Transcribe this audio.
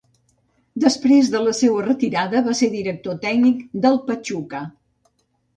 Després de la seua retirada, va ser director tècnic del Pachuca.